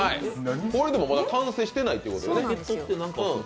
これでもまだ完成していないということですね。